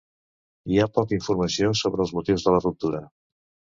Hi ha poca informació sobre els motius de la ruptura.